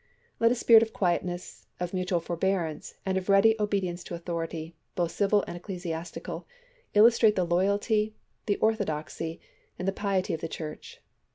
.. Let a spirit of quietness, of mutual for bearance, and of ready obedience to authority, both civil and ecclesiastical, illustrate the loyalty, the orthodoxy, and the piety of the Church.